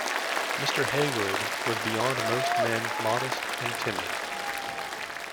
Mr. Heywood was beyond most men modest and timid.